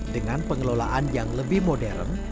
dengan pengelolaan yang lebih modern